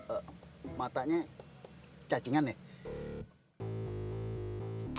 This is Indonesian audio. eh matanya cacingan ya